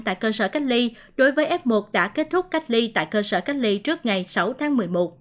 tại cơ sở cách ly đối với f một đã kết thúc cách ly tại cơ sở cách ly trước ngày sáu tháng một mươi một